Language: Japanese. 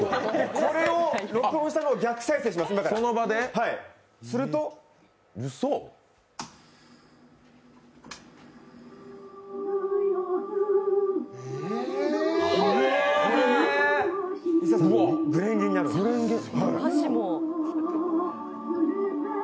これを録音したのを逆再生します、すると「紅蓮華」になるんです。